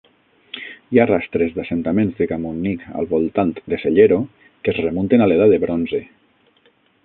Hi ha rastres d'assentaments de Camunnic al voltant de Sellero, que es remunten a l'Edat de Bronze.